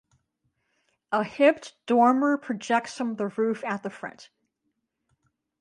A hipped dormer projects from the roof at the front.